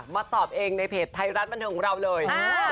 มาตอบเองในเพจไทยรัฐบันเทิงของเราเลย